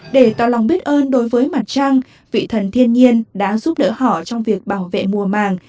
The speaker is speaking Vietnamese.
để tỏ lòng biết ơn đối với mặt trăng vị thần thiên nhiên đã giúp đỡ họ trong việc bảo vệ mùa màng